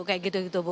kayak gitu gitu bu